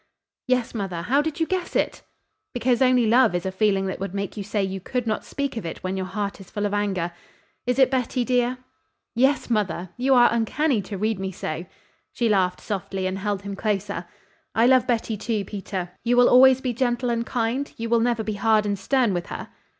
"Yes, mother. How did you guess it?" "Because only love is a feeling that would make you say you could not speak of it when your heart is full of anger. Is it Betty, dear?" "Yes, mother. You are uncanny to read me so." She laughed softly and held him closer. "I love Betty, too, Peter. You will always be gentle and kind? You will never be hard and stern with her?"